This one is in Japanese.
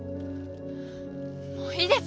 もういいです！